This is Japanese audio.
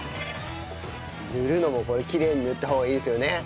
塗るのもこれきれいに塗った方がいいですよね？